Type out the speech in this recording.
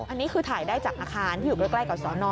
อันนี้คือถ่ายได้จากอาคารที่อยู่ใกล้กับสอนอ